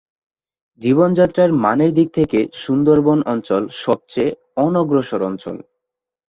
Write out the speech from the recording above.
জীবনযাত্রার মানের দিক থেকে সুন্দরবন অঞ্চল সবচেয়ে অনগ্রসর অঞ্চল।